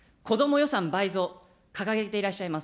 予算倍増、掲げていらっしゃいます。